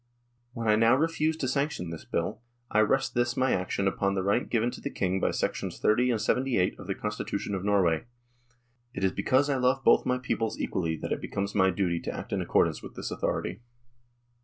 When I now refuse to sanction this bill, I rest this my action upon the right given to the King by 30 and 78 of the Constitution of Norway. It is because I love both my peoples equally that it becomes my duty to act in accordance with this authority."